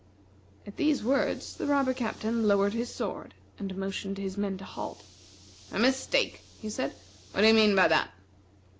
At these words, the robber captain lowered his sword, and motioned to his men to halt. "A mistake!" he said; "what do you mean by that?"